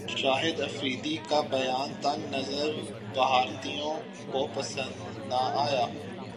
شاہد افریدی کا بیان تنگ نظر بھارتیوں کو پسند نہ ایا